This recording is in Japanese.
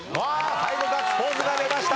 最後ガッツポーズが出ました。